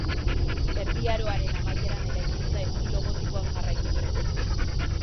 Erdi Aroaren amaieran eraikuntza estilo gotikoan jarraitu zen.